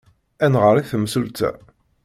Ad d-nɣer i temsulta?